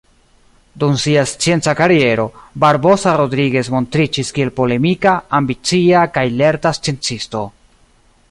Dum sia scienca kariero, Barbosa Rodriguez montriĝis kiel polemika, ambicia kaj lerta sciencisto.